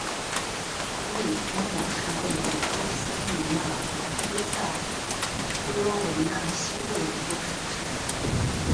利夫诺是位于波斯尼亚和黑塞哥维纳西部的一座城市。